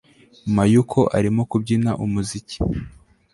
Mayuko arimo kubyina umuziki